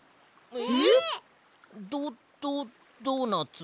えっ！？ドドドーナツ？